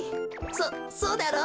そそうだろう？